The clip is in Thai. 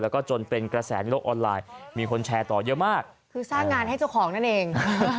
แล้วก็จนเป็นกระแสในโลกออนไลน์มีคนแชร์ต่อเยอะมากคือสร้างงานให้เจ้าของนั่นเอง